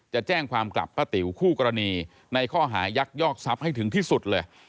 จะแจ้งความกลับป้าติ๋วคู่กรณีในข้อหายักยอกทรัพย์ให้ถึงที่สุดเลย